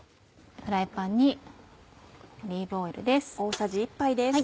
フライパンにオリーブオイルです。